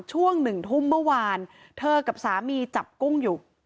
ช่วงหนึ่งทุ่มเมื่อวานเธอกับสามีจับกุ้งอยู่